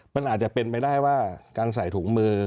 มันอาจจะเป็นไปได้ว่าการใส่ถุงมือ